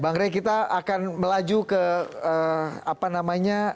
bang rey kita akan melaju ke apa namanya